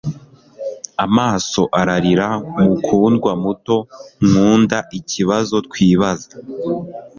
amaso ararira mukundwa muto nkundaikibazo twibaza